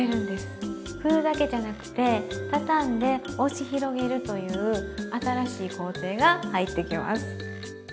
ふるだけじゃなくてたたんで押し広げるという新しい工程が入ってきます。